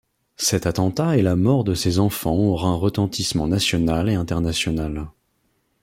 Cet attentat et la mort de ces enfants aura un retentissement national et international.